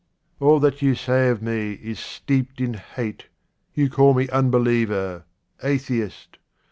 All that you say of me is steeped in hate, you call me unbeliever, atheist.